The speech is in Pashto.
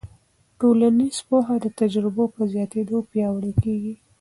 ټولنیز پوهه د تجربو په زیاتېدو پیاوړې کېږي.